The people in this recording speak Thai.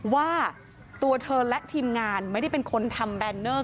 ว่าตัวเธอและทีมงานไม่ได้เป็นคนทำแรนเนอร์